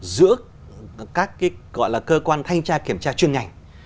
giữa các cái gọi là cơ quan thanh tra kiểm tra chuyên ngành